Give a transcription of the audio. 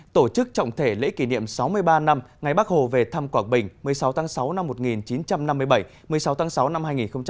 tổ chức trọng thể lễ kỷ niệm sáu mươi ba năm ngày bắc hồ về thăm quảng bình một mươi sáu tháng sáu năm một nghìn chín trăm năm mươi bảy một mươi sáu tháng sáu năm hai nghìn một mươi chín